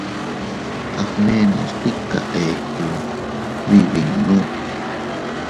Agnenos tika eku, bibinnu.